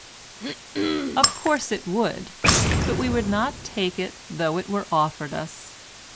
Of course it would, but we would not take it though it were offered us.